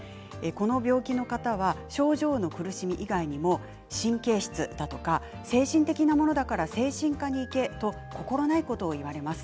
この病気の方は症状の苦しみ以外にも神経質だとか精神的なものだから精神科に行け、と心ないことを言われます。